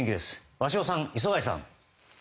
鷲尾さん、磯貝さん。